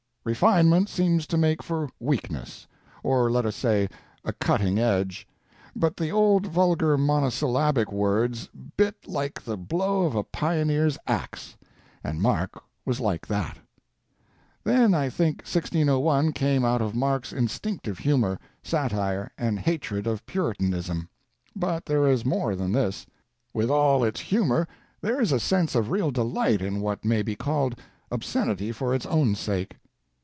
Refinement seems to make for weakness or let us say a cutting edge but the old vulgar monosyllabic words bit like the blow of a pioneer's ax and Mark was like that. Then I think 1601 came out of Mark's instinctive humor, satire and hatred of puritanism. But there is more than this; with all its humor there is a sense of real delight in what may be called obscenity for its own sake.